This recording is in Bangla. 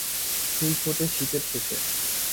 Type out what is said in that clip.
ফুল ফোটে শীতের শেষে।